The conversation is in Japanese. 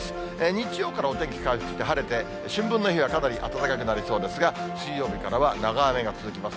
日曜からお天気回復して、晴れて、春分の日はかなり暖かくなりそうですが、水曜日からは長雨が続きます。